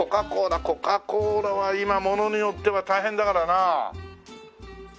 コカ・コーラは今ものによっては大変だからな。